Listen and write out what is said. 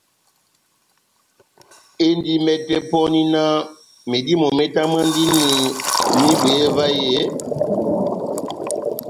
Endi mɛtɛ pɔni náh medímo metamwandini mehibweye vahe eeeh ?